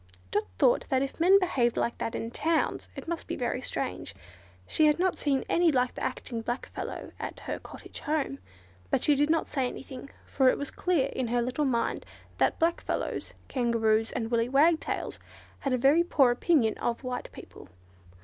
Dot thought that if men behaved like that in towns it must be very strange. She had not seen any like the acting black fellow at her cottage home. But she did not say anything, for it was quite clear in her little mind that black fellows, Kangaroos, and willy wagtails had a very poor opinion of white people.